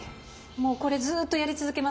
もうこれずっとやり続けますよ